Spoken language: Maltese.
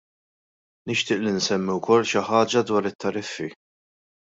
Nixtieq li nsemmi wkoll xi ħaġa dwar it-tariffi.